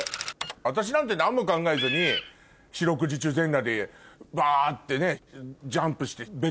私なんて何も考えずに四六時中全裸でバってジャンプして。